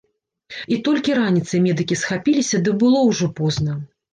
І толькі раніцай медыкі спахапіліся, ды было ўжо позна.